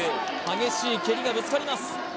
激しい蹴りがぶつかります